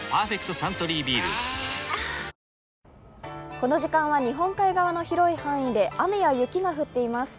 この時間は日本海側の広い範囲で雨や雪が降っています。